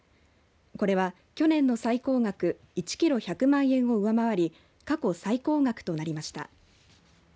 これは去年の最高額１キロ１００万円を上回り過去最高額となりました。